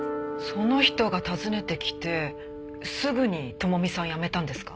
その人が訪ねてきてすぐに朋美さんは辞めたんですか？